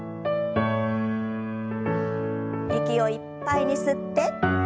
息をいっぱいに吸って。